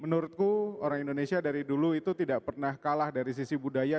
menurutku orang indonesia dari dulu itu tidak pernah kalah dari sisi budaya